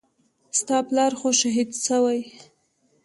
ستا پلار خو شهيد سوى.